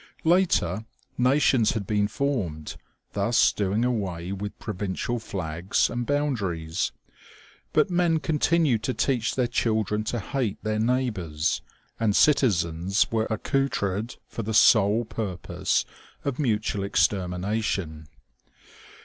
Later, nations had been formed, thus doing away with provincial flags and boun daries ; but men continued to teach their children to hate their neighbors, and citizens were accoutred for the sole purpose of mutual extermination.